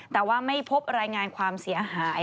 แต่ว่าไม่พบรายงานความเสียหาย